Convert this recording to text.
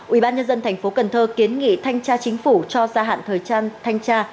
ủy ban nhân dân thành phố cần thơ kiến nghị thanh tra chính phủ cho gia hạn thời trang thanh tra